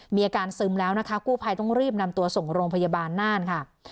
มีอาการซึมแล้วนะคะกู้ภัยต้องรีบนำตัวส่งโรงพยาบาลน่านค่ะ